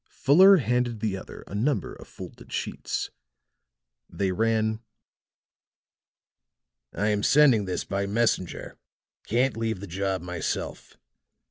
Fuller handed the other a number of folded sheets. They ran: "I am sending this by messenger. Can't leave the job myself.